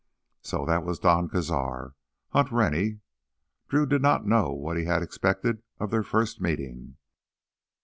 So ... that was Don Cazar—Hunt Rennie! Drew did not know what he had expected of their first meeting.